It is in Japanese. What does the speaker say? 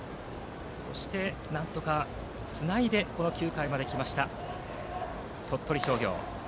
そして、なんとかつないでこの９回まできました鳥取商業です。